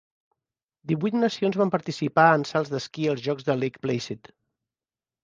Divuit nacions van participar en salts d'esquí als Jocs de Lake Placid.